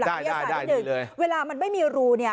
ได้ได้เลยเวลามันไม่มีรูเนี่ย